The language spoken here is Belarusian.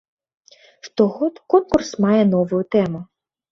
Штогод конкурс мае новую тэму.